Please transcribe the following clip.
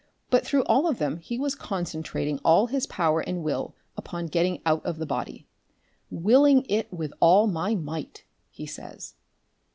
But through all of them he was concentrating all his power and will upon getting out of the body "willing it with all my might," he says.